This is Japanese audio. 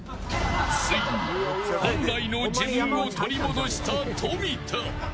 ついに本来の自分を取り戻した富田。